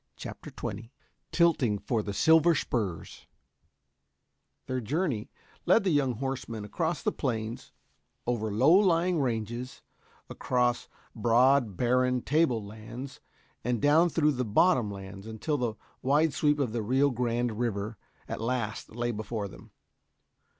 CHAPTER XX TILTING FOR THE SILVER SPURS Their journey led the young horsemen across the plains, over low lying ranges, across broad, barren table lands and down through the bottom lands until the wide sweep of the Rio Grande River at last lay before them.